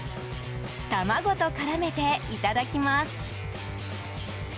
卵と絡めていただきます。